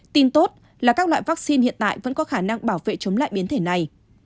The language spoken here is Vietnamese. tin tốt là các loại vaccine hiện tại vẫn có khả năng bảo vệ chống lại